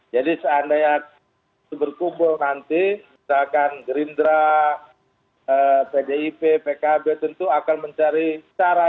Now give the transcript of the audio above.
jadi seandainya berkumpul nanti misalkan gerindra pdip pkb tentu akan mencari cara